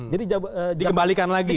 jadi dikembalikan lagi ya